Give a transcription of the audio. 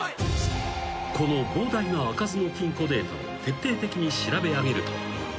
［この膨大な開かずの金庫データを徹底的に調べ上げると］